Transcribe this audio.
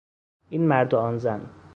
این مرد و آن زن